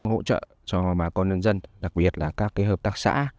hỗ trợ cho bà con nhân dân đặc biệt là các hợp tác xã